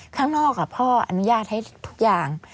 ข้างนอกพ่ออนุญาตให้ทุกอย่าง